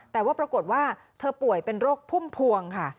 แต่ว่าปรากฏว่าเธอป่วยเป็นโรคพุ่มพวงค่ะ